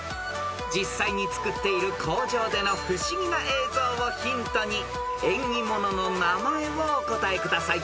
［実際に作っている工場での不思議な映像をヒントに縁起物の名前をお答えください］